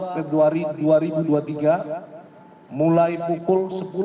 februari dua ribu dua puluh tiga mulai pukul sepuluh